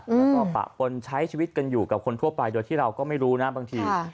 แล้วก็ปะปนใช้ชีวิตกันอยู่กับคนทั่วไปโดยที่เราก็ไม่รู้นะบางที